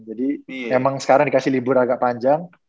jadi emang sekarang dikasih libur agak panjang